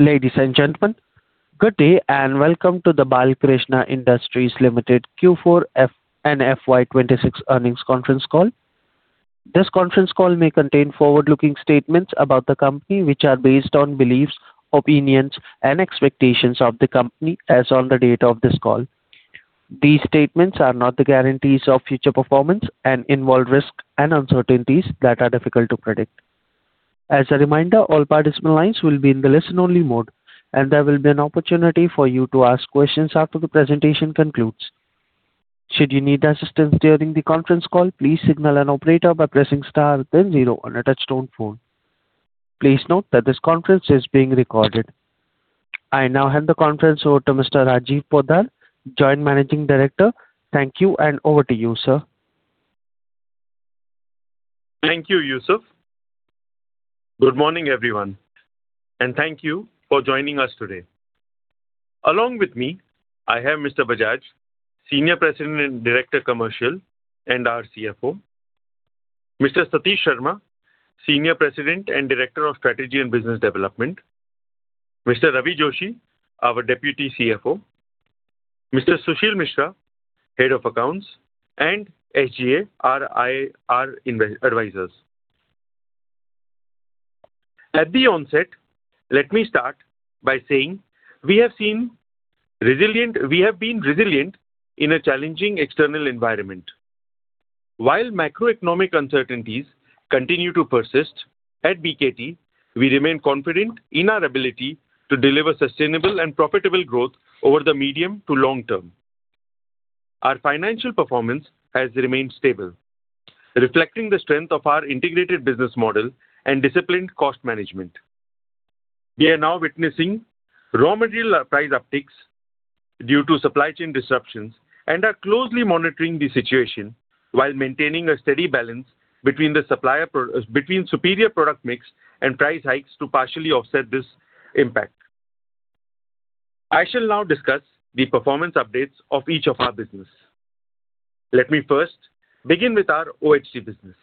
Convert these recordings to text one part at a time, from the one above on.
Ladies and gentlemen, good day and welcome to the Balkrishna Industries Limited Q4 and FY 2026 earnings conference call. This conference call may contain forward-looking statements about the company, which are based on beliefs, opinions, and expectations of the company as on the date of this call. These statements are not the guarantees of future performance and involve risks and uncertainties that are difficult to predict. As a reminder, all participant lines will be in the listen-only mode, and there will be an opportunity for you to ask questions after the presentation concludes. Should you need assistance during the conference call, please signal an operator by pressing star then zero on a touch-tone phone. Please note that this conference is being recorded. I now hand the conference over to Mr. Rajiv Poddar, Joint Managing Director. Thank you and over to you, sir. Thank you, Yusuf. Good morning, everyone, and thank you for joining us today. Along with me, I have Mr. Bajaj, Senior President and Director, Commercial and our CFO, Mr. Satish Sharma, Senior President and Director of Strategy and Business Development, Mr. Ravi Joshi, our Deputy CFO, Mr. Sushil Mishra, Head of Accounts, and SGA, our IR advisors. At the onset, let me start by saying we have been resilient in a challenging external environment. While macroeconomic uncertainties continue to persist, at BKT, we remain confident in our ability to deliver sustainable and profitable growth over the medium to long term. Our financial performance has remained stable, reflecting the strength of our integrated business model and disciplined cost management. We are now witnessing raw material price upticks due to supply chain disruptions and are closely monitoring the situation while maintaining a steady balance between the supplier between superior product mix and price hikes to partially offset this impact. I shall now discuss the performance updates of each of our business. Let me first begin with our OHT business.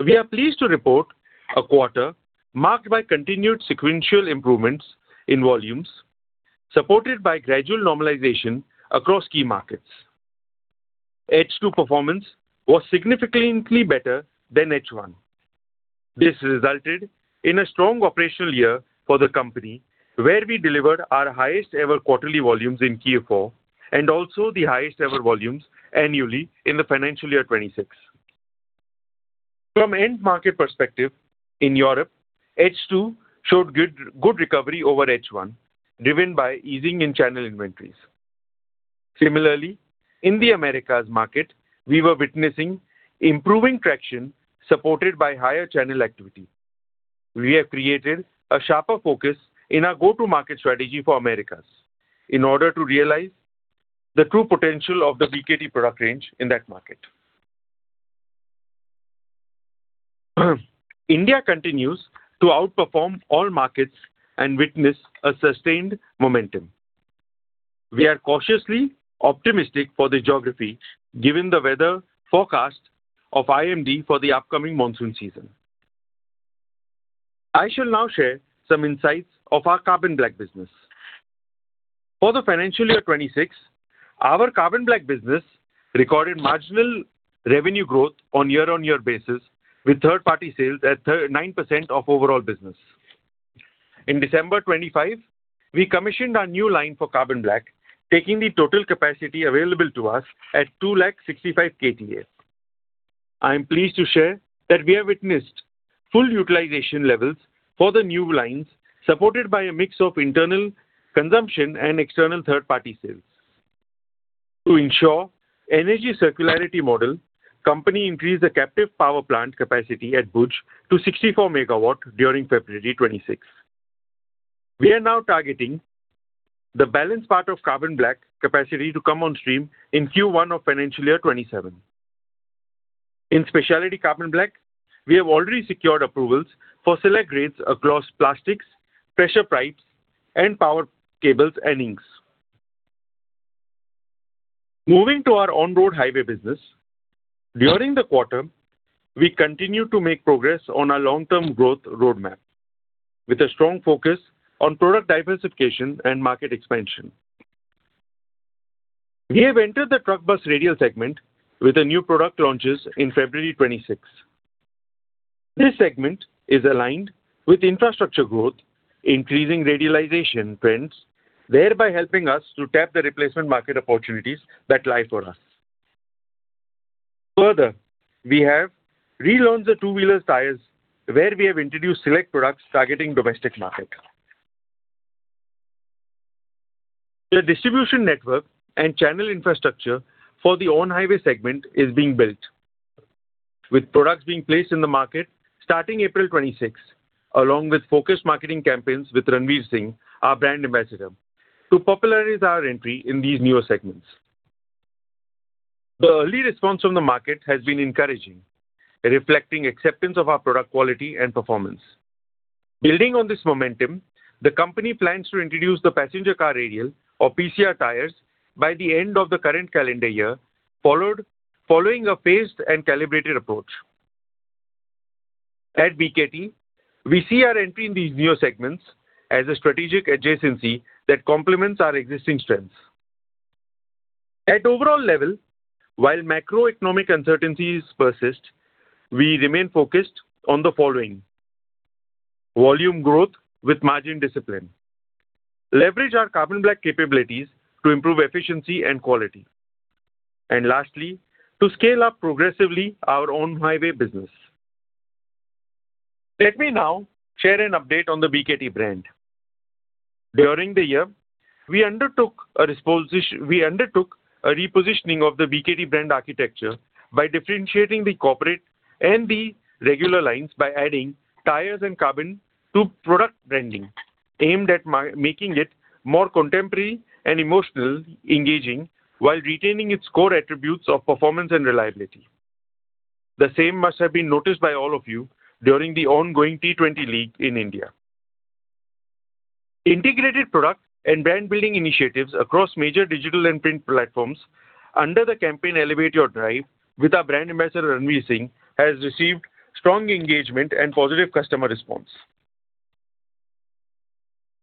We are pleased to report a quarter marked by continued sequential improvements in volumes, supported by gradual normalization across key markets. H2 performance was significantly better than H1. This resulted in a strong operational year for the company, where we delivered our highest ever quarterly volumes in Q4 and also the highest ever volumes annually in the financial year 2026. From end market perspective, in Europe, H2 showed good recovery over H1, driven by easing in channel inventories. Similarly, in the Americas market, we were witnessing improving traction supported by higher channel activity. We have created a sharper focus in our go-to-market strategy for Americas in order to realize the true potential of the BKT product range in that market. India continues to outperform all markets and witness a sustained momentum. We are cautiously optimistic for the geography, given the weather forecast of IMD for the upcoming monsoon season. I shall now share some insights of our Carbon Black business. For the financial year 2026, our Carbon Black business recorded marginal revenue growth on year-on-year basis, with third-party sales at 9% of overall business. In December 25, we commissioned our new line for Carbon Black, taking the total capacity available to us at 265,000 KTA. I am pleased to share that we have witnessed full utilization levels for the new lines, supported by a mix of internal consumption and external third-party sales. To ensure energy circularity model, company increased the captive power plant capacity at Bhuj to 64 MW during February 2026. We are now targeting the balance part of Carbon Black capacity to come on stream in Q1 of financial year 2027. In Specialty Carbon Black, we have already secured approvals for select grades across plastics, pressure pipes and power cables and inks. Moving to our On-Road Highway business. During the quarter, we continue to make progress on our long-term growth roadmap with a strong focus on product diversification and market expansion. We have entered the truck bus radial segment with the new product launches in February 2026. This segment is aligned with infrastructure growth, increasing radialization trends, thereby helping us to tap the replacement market opportunities that lie for us. We have relaunched the two-wheeler tires, where we have introduced select products targeting domestic market. The distribution network and channel infrastructure for the On-Highway segment is being built, with products being placed in the market starting April 26, along with focused marketing campaigns with Ranveer Singh, our brand ambassador, to popularize our entry in these newer segments. The early response from the market has been encouraging, reflecting acceptance of our product quality and performance. Building on this momentum, the company plans to introduce the passenger car radial or PCR tires by the end of the current calendar year, following a phased and calibrated approach. At BKT, we see our entry in these newer segments as a strategic adjacency that complements our existing strengths. At overall level, while macroeconomic uncertainties persist, we remain focused on the following: volume growth with margin discipline, leverage our Carbon Black capabilities to improve efficiency and quality, and lastly, to scale up progressively our Off-Highway business. Let me now share an update on the BKT brand. During the year, we undertook a repositioning of the BKT brand architecture by differentiating the corporate and the regular lines by adding tires and Carbon Black to product branding, aimed at making it more contemporary and emotional engaging while retaining its core attributes of performance and reliability. The same must have been noticed by all of you during the ongoing T20 League in India. Integrated product and brand-building initiatives across major digital and print platforms under the campaign Elevate Your Drive with our brand ambassador, Ranveer Singh, has received strong engagement and positive customer response.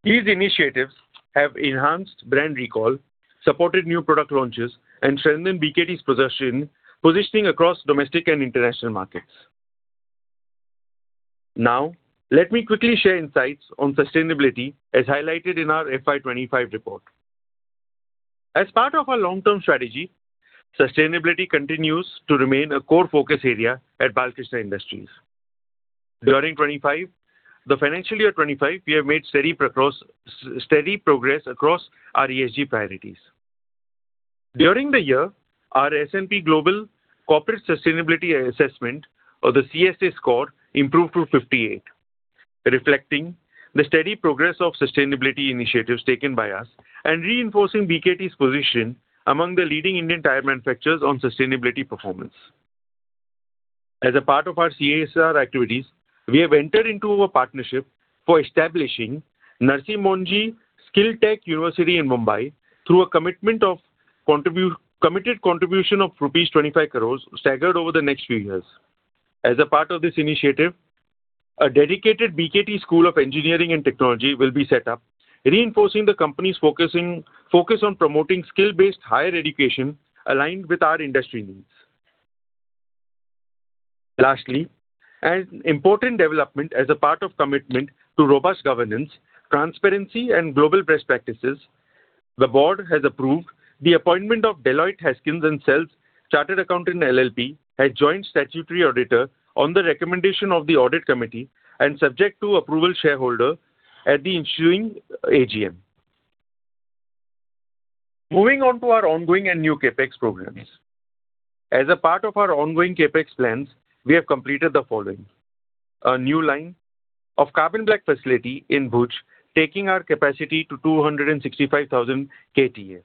These initiatives have enhanced brand recall, supported new product launches, and strengthened BKT's positioning across domestic and international markets. Let me quickly share insights on sustainability as highlighted in our FY 2025 report. As part of our long-term strategy, sustainability continues to remain a core focus area at Balkrishna Industries. During the financial year 2025, we have made steady progress across our ESG priorities. During the year, our S&P Global Corporate Sustainability Assessment, or the CSA score, improved to 58, reflecting the steady progress of sustainability initiatives taken by us and reinforcing BKT's position among the leading Indian tire manufacturers on sustainability performance. As a part of our CSR activities, we have entered into a partnership for establishing Narsee Monjee Skill Tech University in Mumbai through a committed contribution of rupees 25 crores staggered over the next few years. As a part of this initiative, a dedicated BKT School of Engineering and Technology will be set up, reinforcing the company's focus on promoting skill-based higher education aligned with our industry needs. Lastly, an important development as a part of commitment to robust governance, transparency and global best practices, the board has approved the appointment of Deloitte Haskins & Sells Chartered Accountants LLP as joint statutory auditor on the recommendation of the audit committee and subject to approval shareholder at the ensuing AGM. Moving on to our ongoing and new CapEx programs. As a part of our ongoing CapEx plans, we have completed the following: a new line of Carbon Black facility in Bhuj, taking our capacity to 265,000 KTA.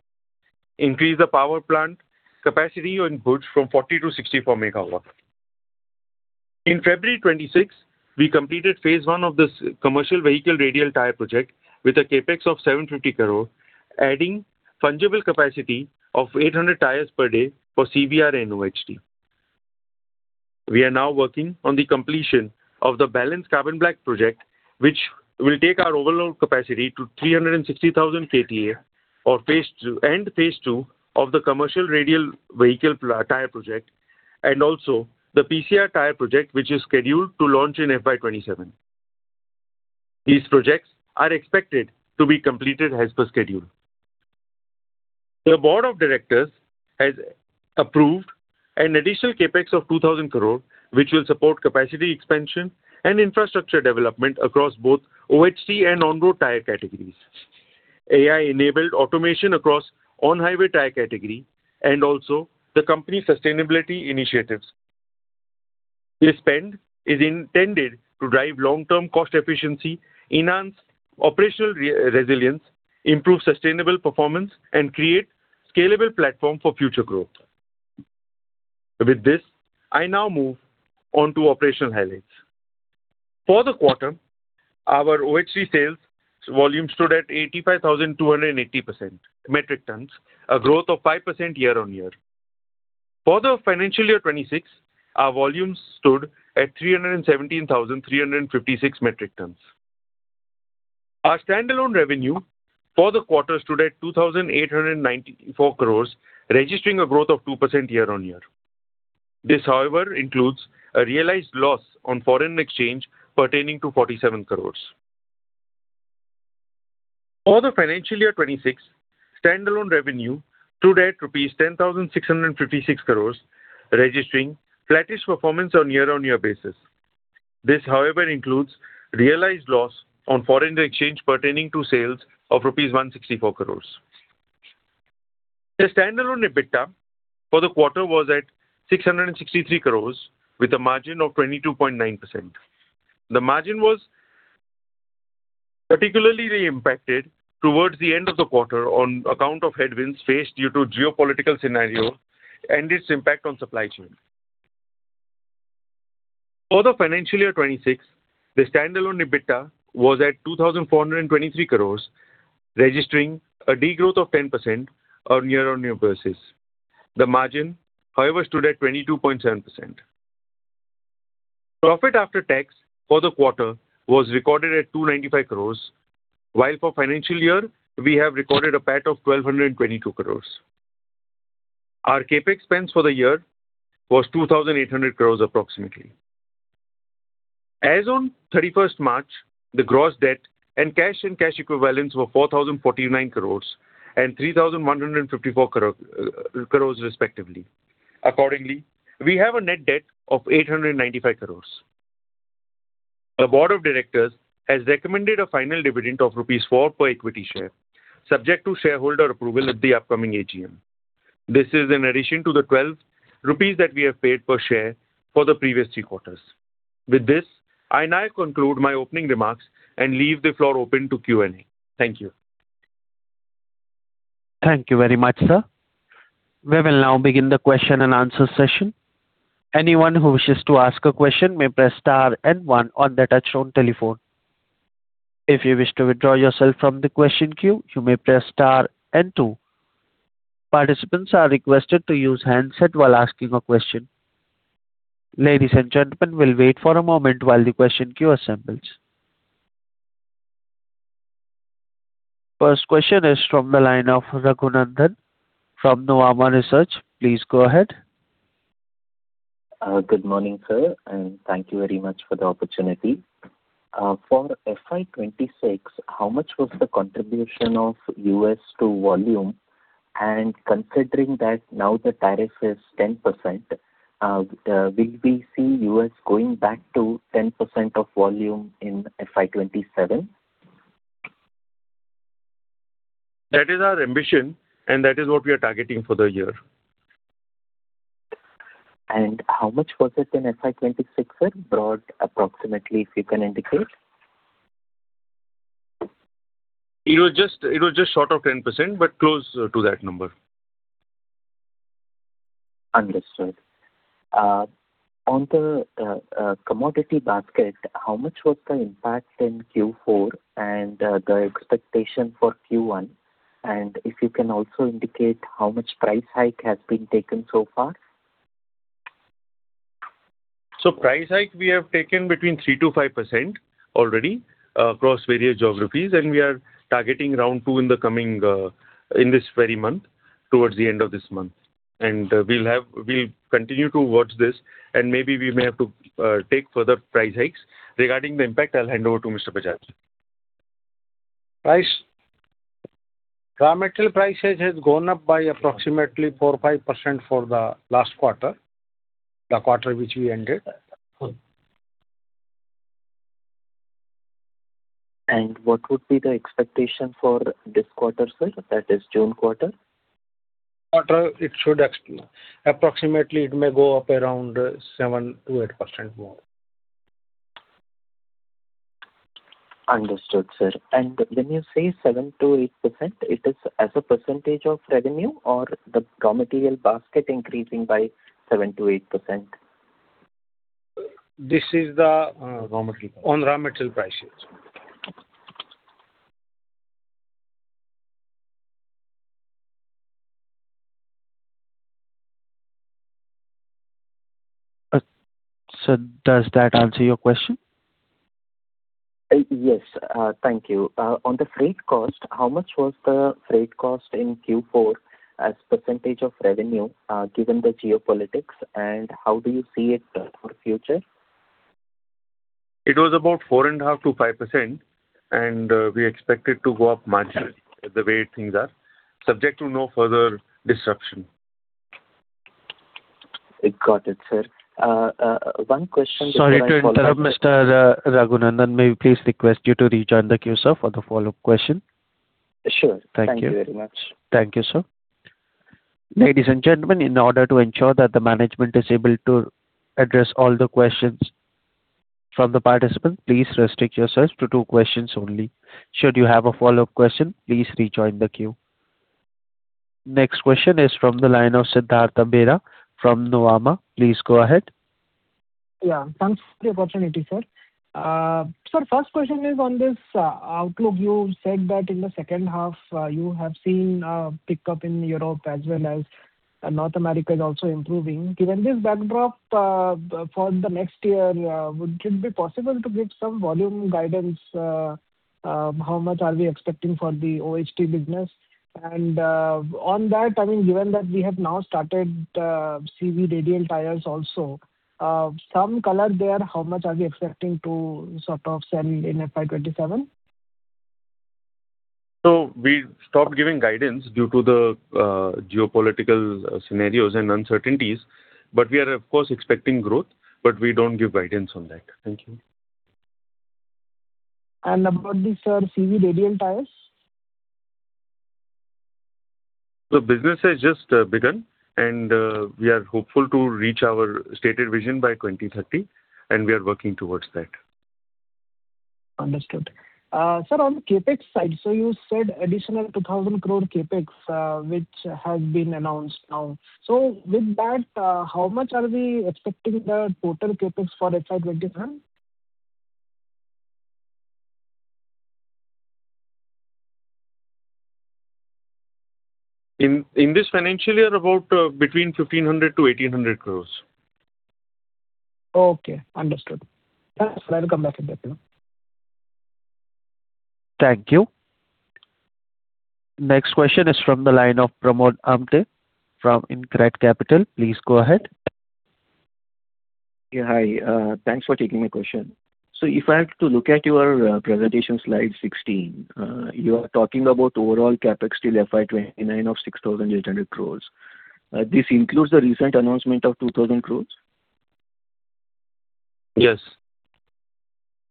Increase the power plant capacity in Bhuj from 40 to 64 MW. In February 26, we completed phaseI of this commercial vehicle radial tire project with a CapEx of 750 crore, adding fungible capacity of 800 tires per day for CVR/OHT. We are now working on the completion of the balanced Carbon Black project, which will take our overall capacity to 360,000 KTA, or phase II of the commercial radial vehicle tire project, and also the PCR tire project, which is scheduled to launch in FY 2027. These projects are expected to be completed as per schedule. The board of directors has approved an additional CapEx of 2,000 crore, which will support capacity expansion and infrastructure development across both OHT and on-road tire categories. AI-enabled automation across on-highway tire category and also the company sustainability initiatives. This spend is intended to drive long-term cost efficiency, enhance operational resilience, improve sustainable performance, and create scalable platform for future growth. With this, I now move on to operational highlights. For the quarter, our OHT sales volume stood at 85,280 metric tons, a growth of 5% year-on-year. For the FY 2026, our volumes stood at 317,356 metric tons. Our standalone revenue for the quarter stood at 2,894 crores, registering a growth of 2% year-on-year. This, however, includes a realized loss on foreign exchange pertaining to 47 crores. For the FY 2026, standalone revenue stood at INR 10,656 crores, registering flattish performance on year-on-year basis. This, however, includes realized loss on foreign exchange pertaining to sales of rupees 164 crores. The standalone EBITDA for the quarter was at 663 crores with a margin of 22.9%. The margin was particularly impacted towards the end of the quarter on account of headwinds faced due to geopolitical scenario and its impact on supply chain. For the financial year 2026, the standalone EBITDA was at 2,423 crores. Registering a degrowth of 10% on year-on-year basis. The margin, however, stood at 22.7%. Profit after tax for the quarter was recorded at 295 crores, while for financial year we have recorded a PAT of 1,222 crores. Our CapEx spends for the year was 2,800 crores approximately. As on 31st March, the gross debt and cash and cash equivalents were 4,049 crores and 3,154 crores respectively. Accordingly, we have a net debt of 895 crores. The board of directors has recommended a final dividend of rupees 4 per equity share, subject to shareholder approval at the upcoming AGM. This is in addition to the 12 rupees that we have paid per share for the previous three quarters. With this, I now conclude my opening remarks and leave the floor open to Q&A. Thank you. Thank you very much, sir. We will now begin the question and answer session. Anyone who wishes to ask a question may press star one on their touchtone telephone. If you wish to withdraw yourself from the question queue, you may press star two. Participants are requested to use handset while asking a question. Ladies and gentlemen, we'll wait for a moment while the question queue assembles. First question is from the line of Raghunandhan N. L. from Nuvama Research. Please go ahead. Good morning, sir, and thank you very much for the opportunity. For FY 2026, how much was the contribution of U.S. to volume? Considering that now the tariff is 10%, will we see U.S. going back to 10% of volume in FY 2027? That is our ambition, and that is what we are targeting for the year. How much was it in FY 2026, sir? Broad, approximately, if you can indicate. It was just short of 10%, but close to that number. Understood. On the commodity basket, how much was the impact in Q4 and the expectation for Q1? If you can also indicate how much price hike has been taken so far. Price hike we have taken between 3%-5% already across various geographies. We are targeting round two in the coming in this very month, towards the end of this month. We'll continue to watch this and maybe we may have to take further price hikes. Regarding the impact, I'll hand over to Mr. Bajaj. Price. Raw material prices has gone up by approximately 4%-5% for the last quarter, the quarter which we ended. What would be the expectation for this quarter, sir? That is June quarter. Quarter it should approximately it may go up around 7%-8% more. Understood, sir. When you say 7%-8%, it is as a percentage of revenue or the raw material basket increasing by 7%-8%? This is the- Raw material. On raw material prices. Sir, does that answer your question? Yes. Thank you. On the freight cost, how much was the freight cost in Q4 as % of revenue, given the geopolitics, and how do you see it for future? It was about 4.5%-5%, and we expect it to go up marginally the way things are, subject to no further disruption. Got it, sir. One question. Sorry to interrupt, Mr. Raghunandhan. May we please request you to rejoin the queue, sir, for the follow-up question. Sure. Thank you. Thank you very much. Thank you, sir. Ladies and gentlemen, in order to ensure that the management is able to address all the questions from the participants, please restrict yourselves to two questions only. Should you have a follow-up question, please rejoin the queue. Next question is from the line of Siddhartha Bera from Nomura. Please go ahead. Yeah. Thanks for the opportunity, sir. Sir, first question is on this outlook. You said that in the second half, you have seen pickup in Europe as well as North America is also improving. Given this backdrop, for the next year, would it be possible to give some volume guidance? How much are we expecting for the OHT business? On that, I mean, given that we have now started CV radial tires also, some color there, how much are we expecting to sort of sell in FY 2027? We stopped giving guidance due to the geopolitical scenarios and uncertainties, but we are of course expecting growth, but we don't give guidance on that. Thank you. About the, sir, CV radial tires. The business has just begun and we are hopeful to reach our stated vision by 2030, and we are working towards that. Understood. Sir, on the CapEx side, you said additional 2,000 crore CapEx, which has been announced now. With that, how much are we expecting the total CapEx for FY 2027? In this financial year, about between 1,500 crore-1,800 crore. Okay, understood. Thanks. I'll come back if necessary. Thank you. Next question is from the line of Pramod Amte from InCred Capital. Please go ahead. Yeah, hi. Thanks for taking my question. If I have to look at your presentation slide 16, you are talking about overall CapEx till FY 2029 of 6,800 crores. This includes the recent announcement of 2,000 crores? Yes.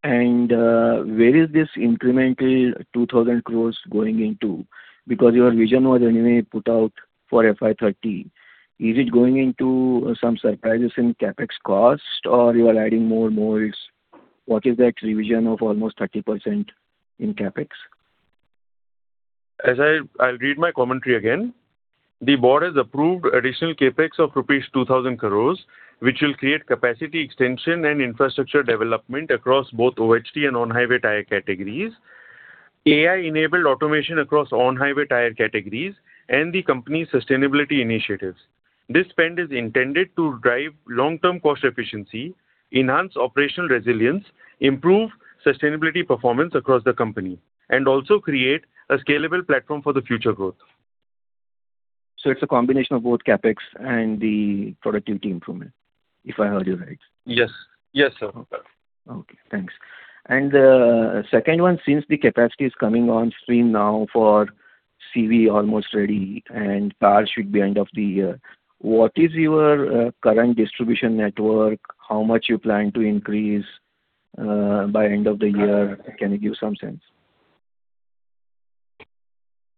Where is this incremental 2,000 crore going into? Your vision was anyway put out for FY 2030. Is it going into some surprises in CapEx cost or you are adding more molds? What is the actual vision of almost 30% in CapEx? As I'll read my commentary again. The board has approved additional CapEx of rupees 2,000 crores, which will create capacity extension and infrastructure development across both OHT and on-highway tire categories, AI-enabled automation across on-highway tire categories, and the company's sustainability initiatives. This spend is intended to drive long-term cost efficiency, enhance operational resilience, improve sustainability performance across the company, and also create a scalable platform for the future growth. It's a combination of both CapEx and the productivity improvement, if I heard you right. Yes. Yes, sir. Okay. Thanks. Second one, since the capacity is coming on stream now for CV almost ready and cars should be end of the year, what is your current distribution network? How much you plan to increase by end of the year? Can you give some sense?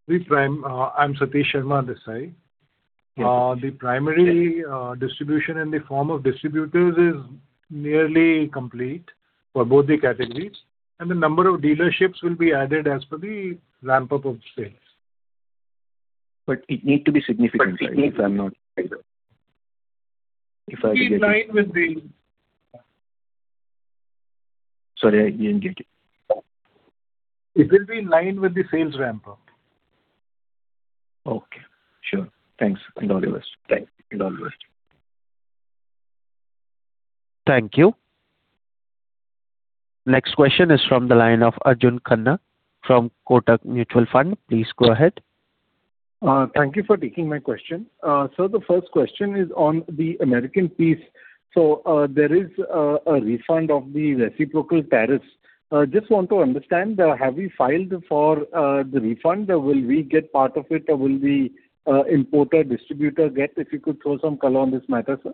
I'm Satish Sharma this side. Yes. The primary distribution in the form of distributors is nearly complete for both the categories, and the number of dealerships will be added as per the ramp-up of sales. It need to be significant, right? It will be in line with the. Sorry, I didn't get you. It will be in line with the sales ramp-up. Okay. Sure. Thanks, and all the best. Thanks, and all the best. Thank you. Next question is from the line of Arjun Khanna from Kotak Mutual Fund. Please go ahead. Thank you for taking my question. The first question is on the American piece. There is a refund of the reciprocal tariffs. Just want to understand, have you filed for the refund? Will we get part of it? Or will the importer distributor get? If you could throw some color on this matter, sir.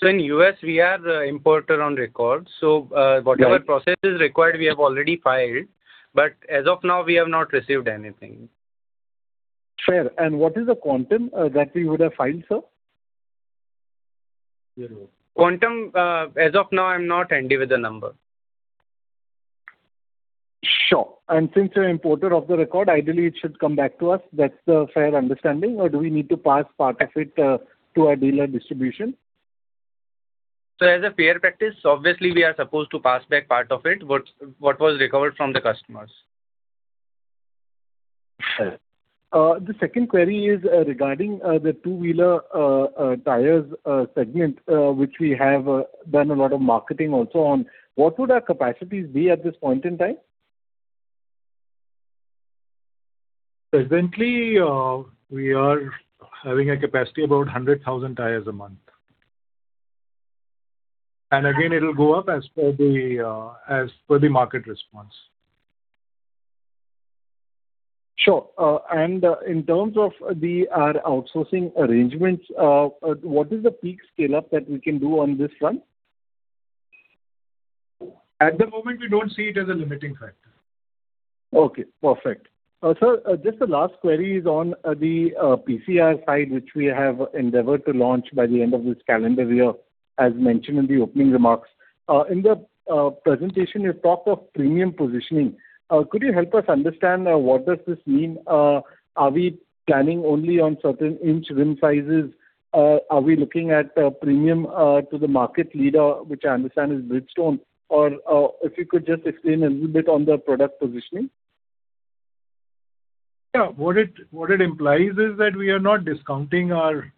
In U.S., we are the importer on record. Whatever process is required, we have already filed. As of now, we have not received anything. Fair. What is the quantum that we would have filed, sir? Quantum, as of now, I'm not handy with the number. Sure. Since you're importer of the record, ideally it should come back to us. That's the fair understanding. Do we need to pass part of it to our dealer distribution? As a fair practice, obviously we are supposed to pass back part of it. What was recovered from the customers. Fair. The second query is regarding the two-wheeler tires segment, which we have done a lot of marketing also on. What would our capacities be at this point in time? Presently, we are having a capacity about 100,000 tires a month. Again, it'll go up as per the market response. Sure. In terms of the outsourcing arrangements, what is the peak scale-up that we can do on this front? At the moment, we don't see it as a limiting factor. Okay, perfect. Sir, just a last query is on the PCR side, which we have endeavored to launch by the end of this calendar year, as mentioned in the opening remarks. In the presentation, you talked of premium positioning. Could you help us understand what does this mean? Are we planning only on certain inch rim sizes? Are we looking at premium to the market leader, which I understand is Bridgestone? If you could just explain a little bit on the product positioning. Yeah. What it implies is that we are not discounting our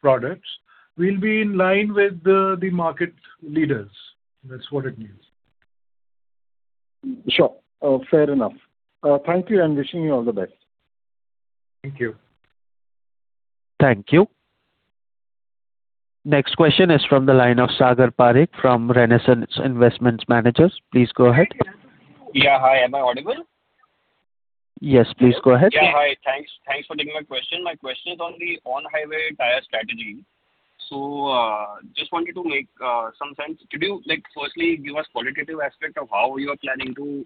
products. We'll be in line with the market leaders. That's what it means. Sure. Fair enough. Thank you and wishing you all the best. Thank you. Thank you. Next question is from the line of Sagar Parekh from Renaissance Investment Managers. Please go ahead. Yeah. Hi. Am I audible? Yes, please go ahead. Yeah. Hi. Thanks, thanks for taking my question. My question is on the on-highway tire strategy. Just wanted to make some sense. Could you, like, firstly give us qualitative aspect of how you are planning to,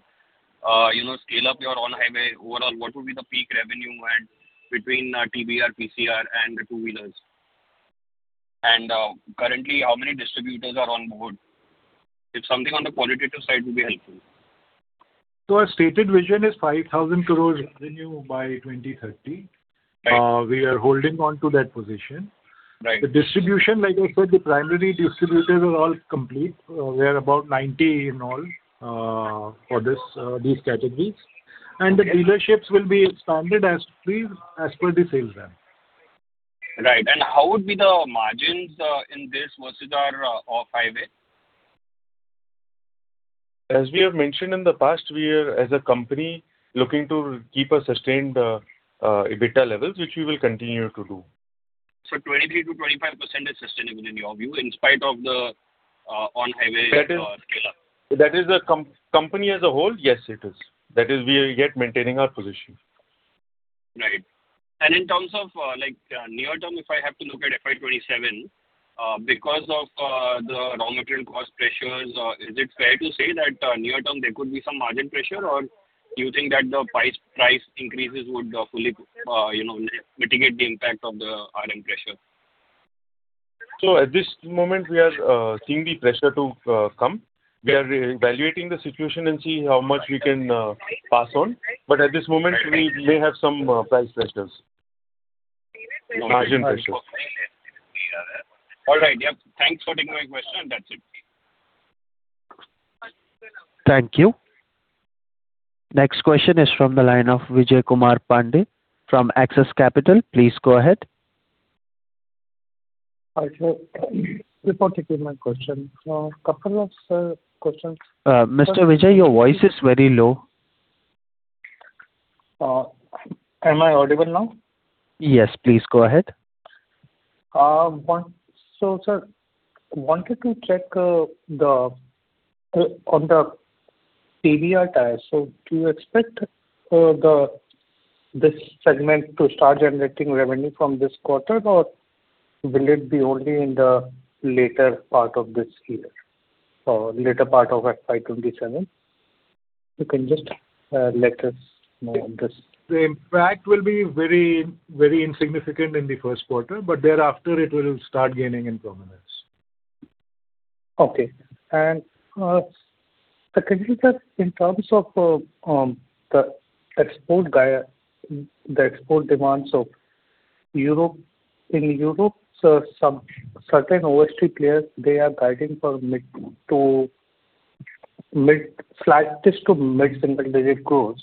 you know, scale up your on-highway overall? What would be the peak revenue and between TBR, PCR and the two-wheelers? Currently how many distributors are on board? If something on the qualitative side will be helpful. Our stated vision is 5,000 crores revenue by 2030. Right. We are holding on to that position. Right. The distribution, like I said, the primary distributors are all complete. We are about 90 in all, for this, these categories. The dealerships will be expanded as free, as per the sales rep. Right. How would be the margins in this versus our off-highway? As we have mentioned in the past, we are as a company looking to keep a sustained EBITDA levels, which we will continue to do. 23%-25% is sustainable in your view, in spite of the on-highway scale-up? That is a company as a whole, yes, it is. That is we are yet maintaining our position. Right. In terms of, like, near term, if I have to look at FY 2027, because of the raw material cost pressures, is it fair to say that near term there could be some margin pressure? Do you think that the price increases would fully, you know, mitigate the impact of the RM pressure? At this moment we are seeing the pressure to come. We are evaluating the situation and see how much we can pass on. At this moment we may have some price pressures, margin pressures. All right. Yep. Thanks for taking my question. That's it. Thank you. Next question is from the line of Vijay Kumar Pandey from Axis Capital. Please go ahead. Hi, sir. Before taking my question, couple of, sir, questions. Mr. Vijay, your voice is very low. Am I audible now? Yes. Please go ahead. Sir, wanted to check on the TBR tire. Do you expect this segment to start generating revenue from this quarter or will it be only in the later part of this year or later part of FY 2027? You can just let us know on this. The impact will be very, very insignificant in the first quarter, but thereafter it will start gaining in prominence. Okay. secondly, sir, in terms of the export guide, the export demands of Europe. In Europe, sir, certain OHT players, they are guiding for slightest to mid-single digit growth.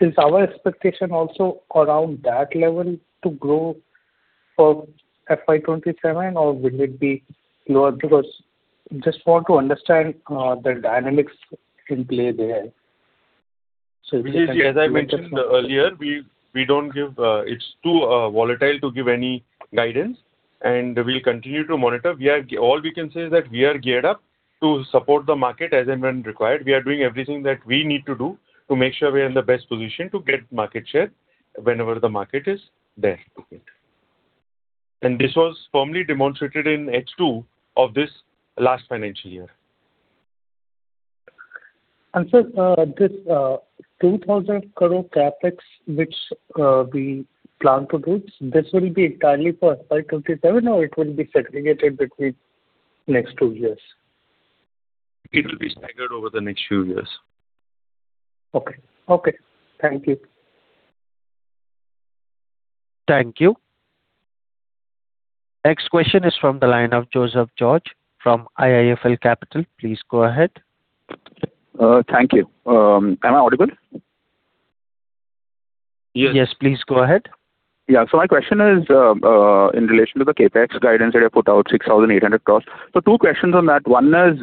Is our expectation also around that level to grow for FY 2027 or will it be lower? Just want to understand the dynamics in play there. Vijay, as I mentioned earlier, we don't give. It's too volatile to give any guidance, and we'll continue to monitor. All we can say is that we are geared up to support the market as and when required. We are doing everything that we need to do to make sure we are in the best position to get market share whenever the market is there to get. This was firmly demonstrated in H2 of this last financial year. Sir, this 2,000 crore CapEx which we plan to do, this will be entirely for FY 2027 or it will be segregated between next two years? It will be staggered over the next few years. Okay. Okay. Thank you. Thank you. Next question is from the line of Joseph George from IIFL Capital. Please go ahead. Thank you. Am I audible? Yes, please go ahead. Yeah. My question is, in relation to the CapEx guidance that you have put out, 6,800 crores. Two questions on that. One is,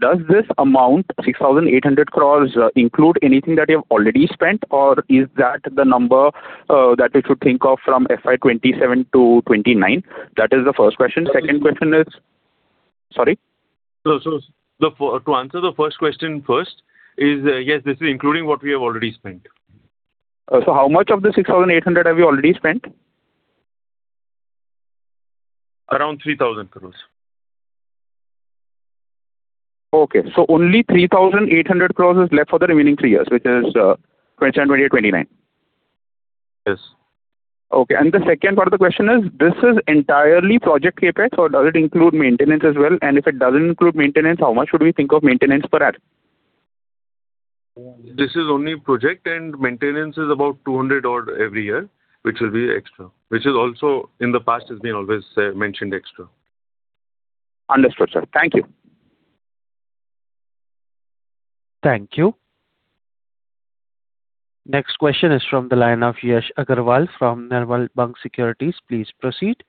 does this amount, 6,800 crores, include anything that you have already spent? Or is that the number that we should think of from FY 2027 to FY 2029? That is the first question. Second question is Sorry? To answer the first question first is, yes, this is including what we have already spent. How much of the 6,800 have you already spent? Around 3,000 crores. Okay. Only 3,800 crores is left for the remaining three years, which is 2027, 2028, 2029. Yes. Okay. The second part of the question is, this is entirely project CapEx or does it include maintenance as well? If it doesn't include maintenance, how much should we think of maintenance per annum? This is only project and maintenance is about 200 odd every year, which will be extra. Which is also in the past has been always mentioned extra. Understood, sir. Thank you. Thank you. Next question is from the line of Yash Agrawal from Nirmal Bang Securities. Please proceed.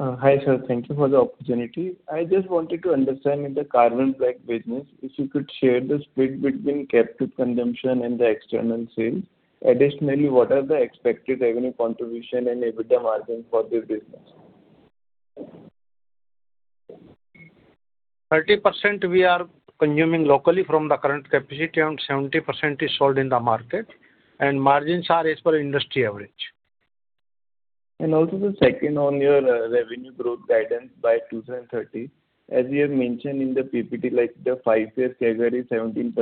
Hi sir. Thank you for the opportunity. I just wanted to understand in the Carbon Black business, if you could share the split between captive consumption and the external sales. Additionally, what are the expected revenue contribution and EBITDA margin for this business? 30% we are consuming locally from the current capacity and 70% is sold in the market. Margins are as per industry average. Also the second on your revenue growth guidance by 2030. As you have mentioned in the PPT, like the five-year CAGR is 17%.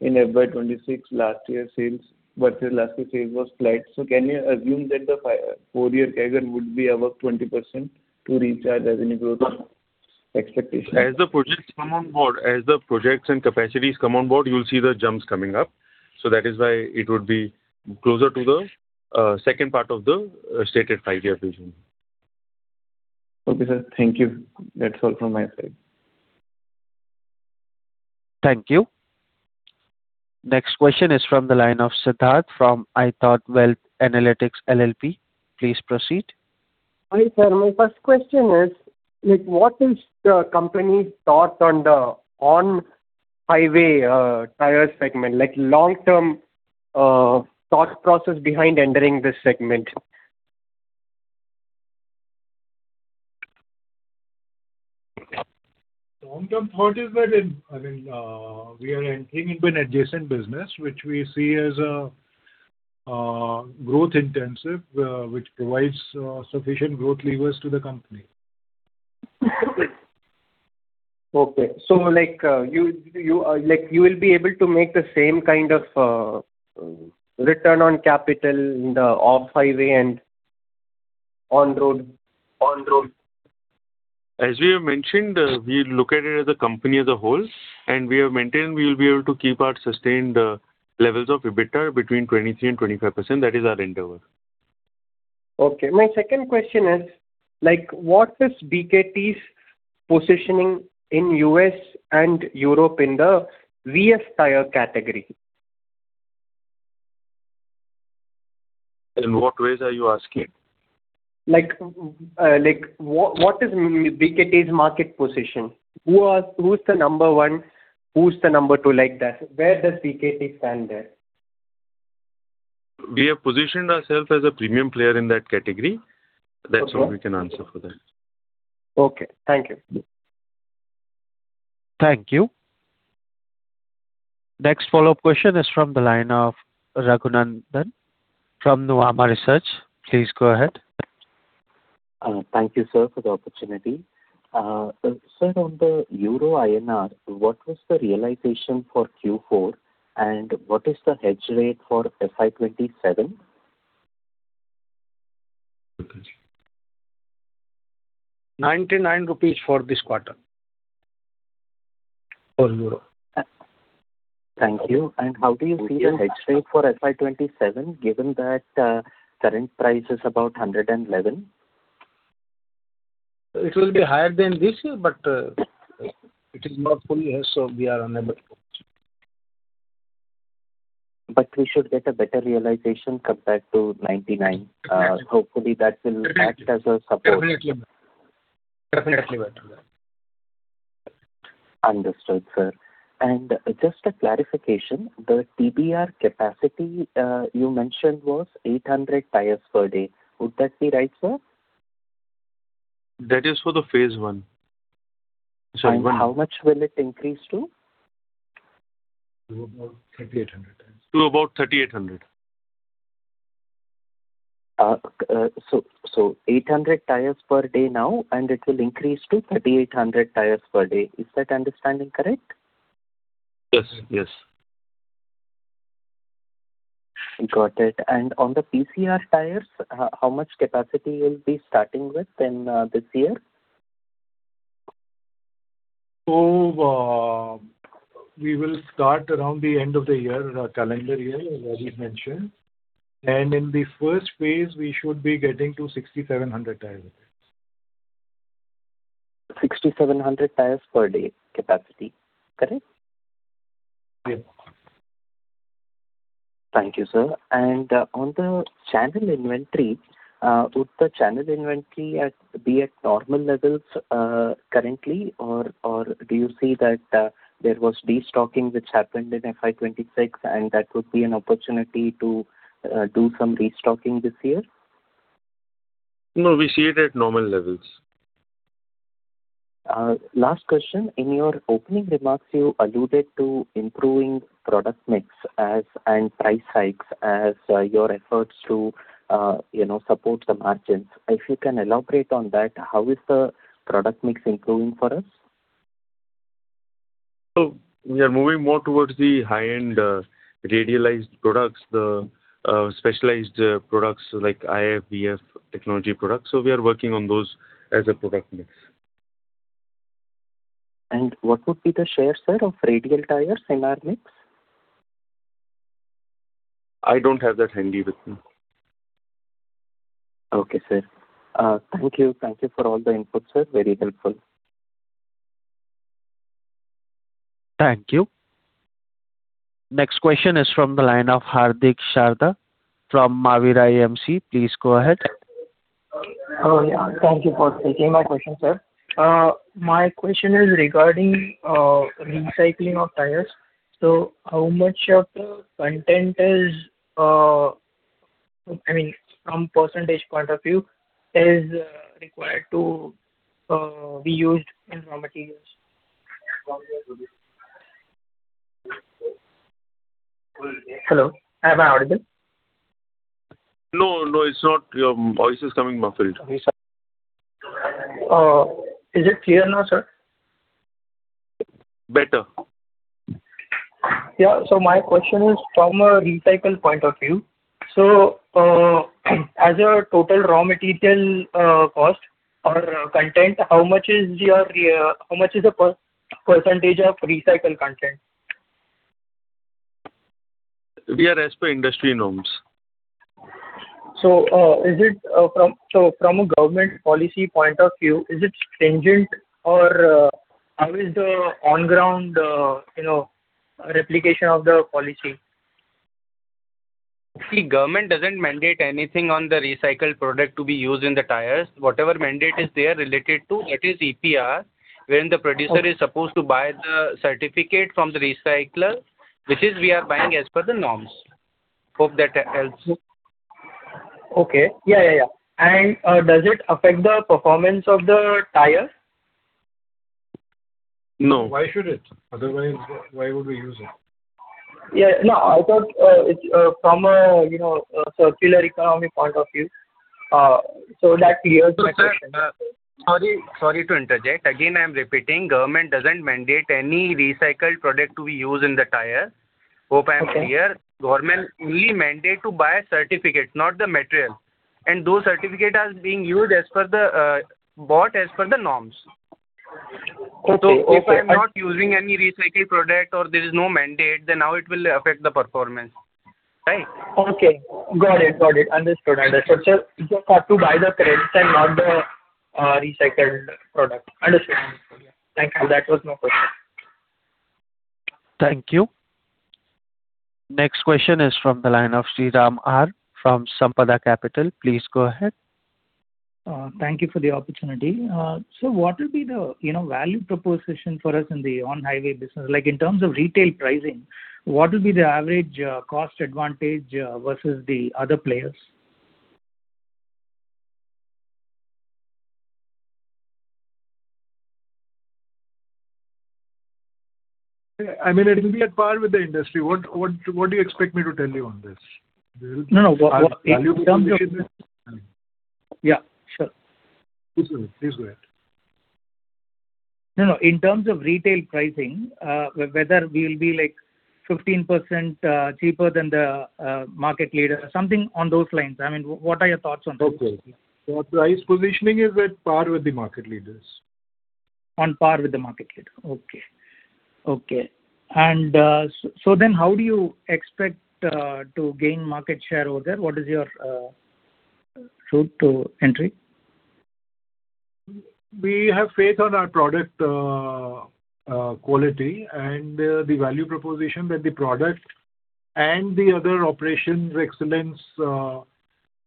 In FY 2026, the last year sales was flat. Can you assume that the four-year CAGR would be above 20% to reach our revenue growth expectation? As the projects come on board, as the projects and capacities come on board, you'll see the jumps coming up. That is why it would be closer to the second part of the stated five-year vision. Okay, sir. Thank you. That's all from my side. Thank you. Next question is from the line of Siddharth from iThought Wealth Analytics LLP. Please proceed. Hi, sir. My first question is, like, what is the company's thoughts on the on-highway tire segment, like long-term thought process behind entering this segment? Long-term thought is that in, I mean, we are entering into an adjacent business which we see as a growth intensive, which provides sufficient growth levers to the company. Okay. like, you, like you will be able to make the same kind of, return on capital in the off-highway and on-road. As we have mentioned, we look at it as a company as a whole, and we have maintained we will be able to keep our sustained, levels of EBITDA between 23% and 25%. That is our endeavor. Okay. My second question is, like, what is BKT's positioning in U.S. and Europe in the VF tire category? In what ways are you asking? Like, what is BKT's market position? Who's the number one? Who's the number two? Like that. Where does BKT stand there? We have positioned ourselves as a premium player in that category. That's all we can answer for that. Okay. Thank you. Thank you. Next follow-up question is from the line of Raghunandhan N.L. from Nuvama Research. Please go ahead. Thank you, sir, for the opportunity. Sir, on the Euro INR, what was the realization for Q4, and what is the hedge rate for FY 2027? Rupees. INR 99 for this quarter. For Euro. Thank you. How do you see the hedge rate for FY 2027, given that current price is about 111? It will be higher than this year, but, it is not full year, so we are unable to We should get a better realization compared to 99. Hopefully that will act as a support. Definitely. Definitely better than that. Understood, sir. Just a clarification, the TBR capacity you mentioned was 800 tires per day. Would that be right, sir? That is for the phase I. Sorry. How much will it increase to? To about 3,800. To about 3,800. 800 tires per day now, and it will increase to 3,800 tires per day. Is that understanding correct? Yes. Yes. Got it. On the PCR tires, how much capacity you'll be starting with in this year? We will start around the end of the year, calendar year, as Rajiv mentioned. In the first phase, we should be getting to 6,700 tires. 6,700 tires per day capacity. Correct? Yes. Thank you, sir. On the channel inventory, would the channel inventory be at normal levels currently or do you see that there was destocking which happened in FY 2026 and that would be an opportunity to do some restocking this year? No, we see it at normal levels. Last question. In your opening remarks, you alluded to improving product mix as, and price hikes as, your efforts to, you know, support the margins. If you can elaborate on that, how is the product mix improving for us? We are moving more towards the high-end, radialized products, the, specialized, products like IF, VF technology products. We are working on those as a product mix. What would be the share, sir, of radial tires in our mix? I don't have that handy with me. Okay, sir. Thank you. Thank you for all the inputs, sir. Very helpful. Thank you. Next question is from the line of Hardik Sharda from Mavira AMC. Please go ahead. Oh, yeah. Thank you for taking my question, sir. My question is regarding recycling of tires. How much of the content is, I mean, from percentage point of view, is required to be used in raw materials? Hello, am I audible? No, no, it's not. Your voice is coming muffled. Is it clear now, sir? Better. Yeah. My question is from a recycle point of view. As your total raw material, cost or content, how much is your, how much is the percentage of recycled content? We are as per industry norms. Is it from a government policy point of view, is it stringent or, how is the on ground, you know, replication of the policy? Government doesn't mandate anything on the recycled product to be used in the tires. Whatever mandate is there related to it is EPR, when the producer is supposed to buy the certificate from the recycler, which is we are buying as per the norms. Hope that helps. Okay. Yeah. Does it affect the performance of the tire? No. Why should it? Otherwise, why would we use it? Yeah. No, I thought, it's from a, you know, a circular economy point of view. Sir, sorry to interject. I'm repeating, government doesn't mandate any recycled product to be used in the tire. Hope I'm clear. Okay. Government only mandate to buy a certificate, not the material. Those certificate are being used as per the bought as per the norms. Okay. Okay. If I'm not using any recycled product or there is no mandate, how it will affect the performance? Right. Okay. Got it. Got it. Understood. Understood, sir. You just have to buy the credits and not the recycled product. Understood. Understood. Yeah. Thank you. That was my question. Thank you. Next question is from the line of Shriram R from Sampada Capital. Please go ahead. Thank you for the opportunity. What will be the, you know, value proposition for us in the on-highway business? Like, in terms of retail pricing, what will be the average cost advantage versus the other players? I mean, it will be at par with the industry. What do you expect me to tell you on this? No, no. What. Our value proposition is. Yeah, sure. Please go ahead. No, no. In terms of retail pricing, whether we'll be like 15% cheaper than the market leader or something on those lines. I mean, what are your thoughts on that? Okay. Our price positioning is at par with the market leaders. On par with the market leader. Okay. Okay. How do you expect to gain market share over there? What is your, route to entry? We have faith on our product, quality and the value proposition that the product and the other operations excellence,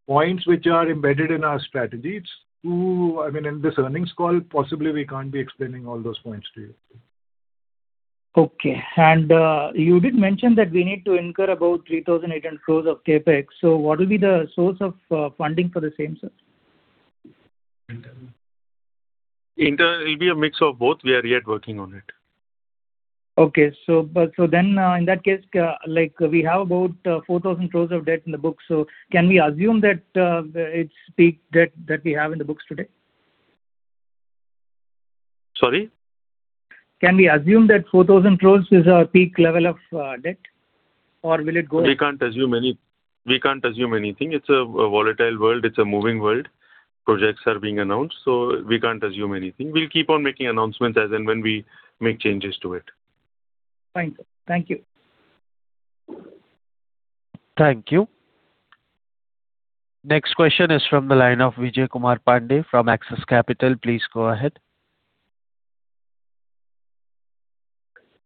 points which are embedded in our strategy. I mean, in this earnings call, possibly we can't be explaining all those points to you. Okay. You did mention that we need to incur about 3,800 crores of CapEx. What will be the source of funding for the same, sir? Internal will be a mix of both. We are yet working on it. Okay. In that case, like we have about 4,000 crores of debt in the books. Can we assume that it's peak debt that we have in the books today? Sorry? Can we assume that 4,000 crore is our peak level of debt, or will it go up? We can't assume anything. It's a volatile world. It's a moving world. Projects are being announced, so we can't assume anything. We'll keep on making announcements as and when we make changes to it. Thank you. Thank you. Thank you. Next question is from the line of Vijay Kumar Pandey from Axis Capital. Please go ahead.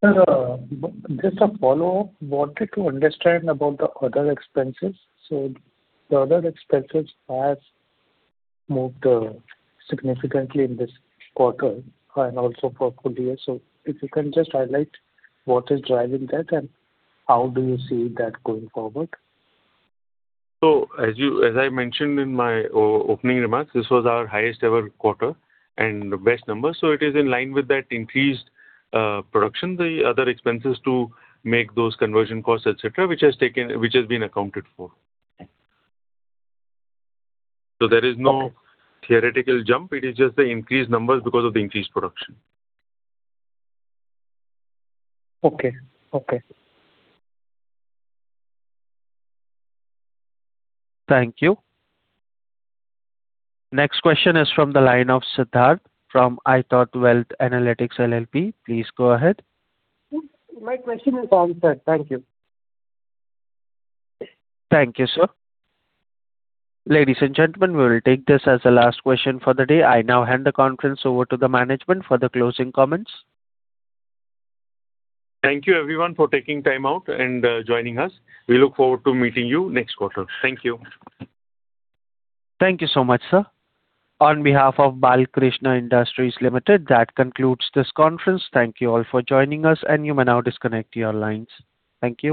Sir, just a follow-up. Wanted to understand about the other expenses. The other expenses has moved significantly in this quarter and also for full year. If you can just highlight what is driving that, and how do you see that going forward? As you, as I mentioned in my opening remarks, this was our highest ever quarter and best numbers. It is in line with that increased production, the other expenses to make those conversion costs, et cetera, which has been accounted for. Okay. There is no theoretical jump. It is just the increased numbers because of the increased production. Okay. Thank you. Next question is from the line of Siddharth from iThought Wealth Analytics LLP. Please go ahead. My question is answered. Thank you. Thank you, sir. Ladies and gentlemen, we will take this as the last question for the day. I now hand the conference over to the management for the closing comments. Thank you everyone for taking time out and joining us. We look forward to meeting you next quarter. Thank you. Thank you so much, sir. On behalf of Balkrishna Industries Limited, that concludes this conference. Thank you all for joining us, and you may now disconnect your lines. Thank you.